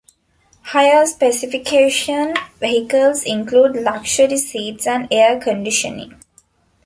Higher specification vehicles include luxury seats and air conditioning.